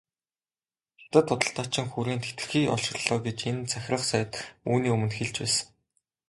Хятад худалдаачин хүрээнд хэтэрхий олширлоо гэж энэ захирах сайд үүний өмнө хэлж байсан.